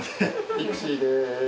ピクシーです。